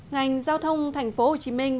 ngành giao thông thành phố hồ chí minh